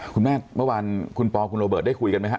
คุณแม่คเมื่อวานคุณปอและคุณโรเบิร์ตได้คุยกันไหมฮะ